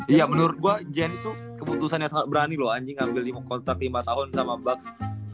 iya menurut gua giannis tuh keputusan yang sangat berani loh anjing ambil kontrak lima tahun sama bucks